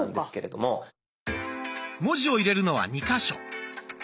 文字を入れるのは２か所。